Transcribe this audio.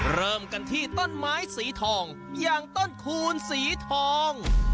เริ่มกันที่ต้นไม้สีทองอย่างต้นคูณสีทอง